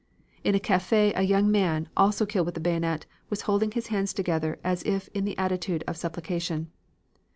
In a cafe, a young man, also killed with the bayonet, was holding his hands together as if in the attitude of supplication.